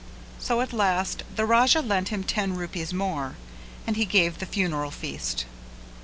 So at last the Raja lent him ten rupees more, and he gave the funeral feast.